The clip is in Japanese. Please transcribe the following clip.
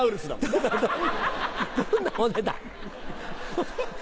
どんな骨だ？